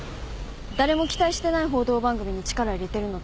誰も期待してない報道番組に力入れてるのって。